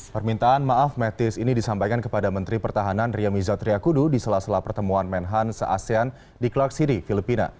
permintaan maaf mattis ini disampaikan kepada menteri pertahanan riyamizat riyakudu di salah salah pertemuan manhattan se asean di clark city filipina